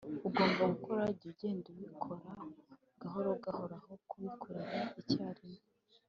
Ugomba gukora jya ugenda ubikora gahorogahoro aho kubikorera icyarimwe